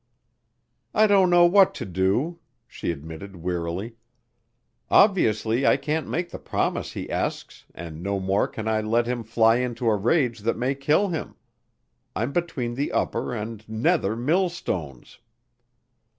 "I don't know what to do," she admitted wearily. "Obviously I can't make the promise he asks and no more can I let him fly into a rage that may kill him. I'm between the upper and nether mill stones."